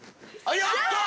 やった！